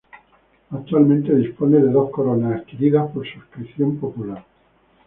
Actualmente dispone de dos coronas, adquiridas por suscripción popular.